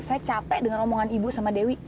saya capek dengan rombongan ibu sama dewi